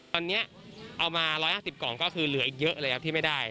ตอนนี้เอามา๑๕๐กล่องก็คือเหลืออีกเยอะเลยครับที่ไม่ได้